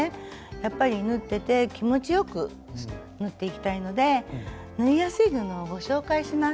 やっぱり縫ってて気持ちよく縫っていきたいので縫いやすい布をご紹介します。